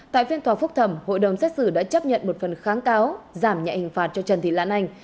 tại phiên tòa phúc thẩm hội đồng xét xử đã chấp nhận một phần kháng cáo giảm nhạy hình phạt cho trần thị lan anh